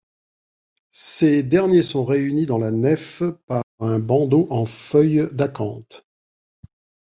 Ces derniers sont réunis dans la nef par un bandeau en feuilles d'acanthe.